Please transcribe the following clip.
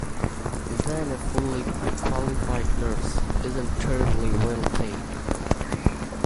Even a fully qualified nurse isn’t terribly well paid.